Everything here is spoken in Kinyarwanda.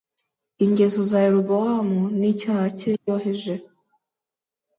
Ingeso za yerobowamu n icyaha cye yoheje